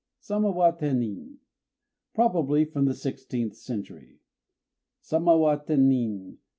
_ SAMA WA TENNIN (Probably from the sixteenth century) Sama wa tennin!